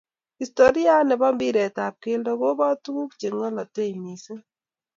Historiait ne bo mpiret ab kelto kobot tukuk ce ngulotei mising